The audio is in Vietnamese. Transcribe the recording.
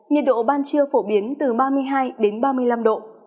nhiệt độ ban trưa phổ biến từ ba mươi hai ba mươi năm độ